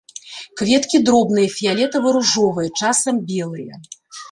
Кветкі дробныя, фіялетава-ружовыя, часам белыя.